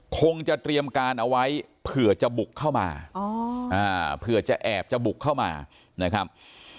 คงจะเตรียมการเอาไว้เผื่อจะบุกเข้ามาเผื่อจะแอบจะบุกเข้ามานะครับ